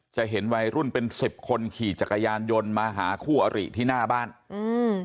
จะเห็นวัยรุ่นเป็นสิบคนขี่จักรยานยนต์มาหาคู่อริที่หน้าบ้านอืม